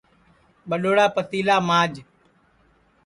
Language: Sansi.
ٻڈؔوڑا پتیلا ماج